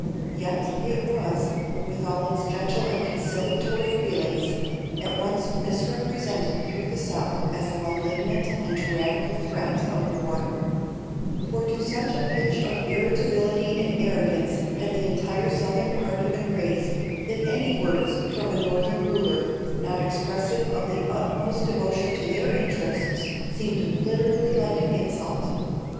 Yet it was, with all its gentle and conciliatory feelings, at once misrepresented through the South as a malignant and tyrannical threat of war; for to such a pitch of irritability and arrogance had the entire Southern party been raised, that any words from a Northern ruler, not expressive of the utmost devotion to their interests, seemed literally like insult.